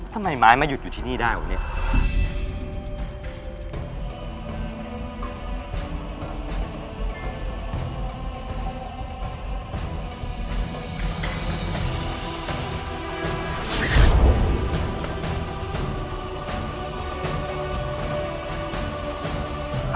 ทำไมไม้มาหยุดอยู่ที่นี่ได้วะเนี่ย